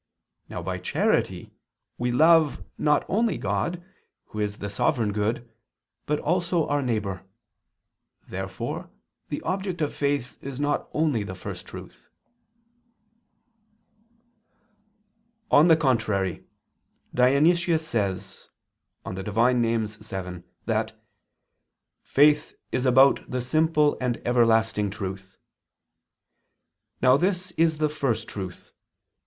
Now by charity we love not only God, who is the sovereign Good, but also our neighbor. Therefore the object of Faith is not only the First Truth. On the contrary, Dionysius says (Div. Nom. vii) that "faith is about the simple and everlasting truth." Now this is the First Truth.